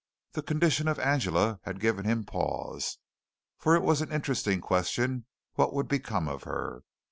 The condition of Angela had given him pause, for it was an interesting question what would become of her.